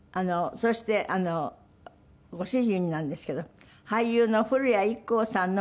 そしてご主人なんですけど俳優の古谷一行さんの息子さん。